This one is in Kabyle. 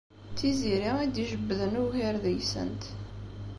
D Tiziri i d-ijebbden ugar deg-sent.